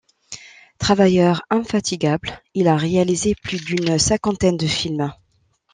Travailleur infatigable, il a réalisé plus d'une cinquantaine de films.